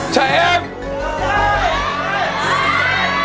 ชะเอ็ม